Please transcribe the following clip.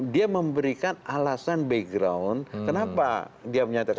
dia memberikan alasan background kenapa dia menyatakan